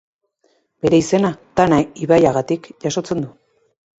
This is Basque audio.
Bere izena Tana ibaiagatik jasotzen du.